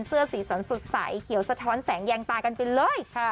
เสื้อสีสันสดใสเขียวสะท้อนแสงแยงตากันไปเลย